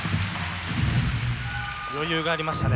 余裕がありましたね。